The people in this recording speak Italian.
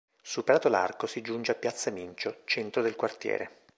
Superato l'arco si giunge a piazza Mincio, centro del quartiere.